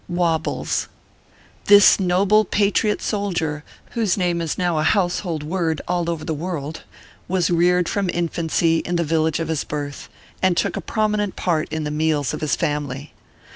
WOBBLES. This noble patriot soldier, whose name is now a household word all over the world, was reared from infancy in the village of his birth, and took a promi nent part in the meals of his family.